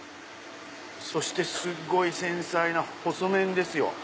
そしてすっごい繊細な細麺ですよ。